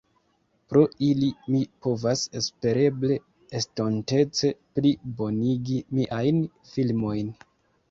Pro ili, mi povas espereble estontece pli bonigi miajn filmojn.